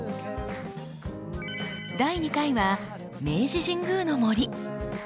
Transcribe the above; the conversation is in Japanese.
第２回は明治神宮の杜。